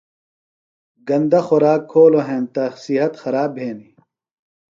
گندہ خوراک کھولوۡ ہینتہ صحت خراب بھینیۡ۔